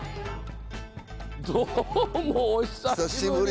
どうもお久しぶり！